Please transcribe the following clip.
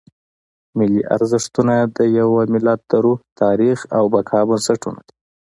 ملي ارزښتونه د یو ملت د روح، تاریخ او بقا بنسټونه دي.